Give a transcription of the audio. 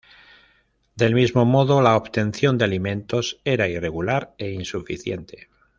Del mismo modo la obtención de alimentos era irregular e insuficiente.